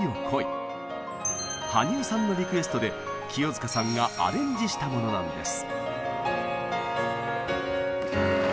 羽生さんのリクエストで清塚さんがアレンジしたものなんです。